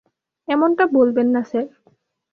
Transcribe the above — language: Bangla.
এমনটা বলবেন না স্যার।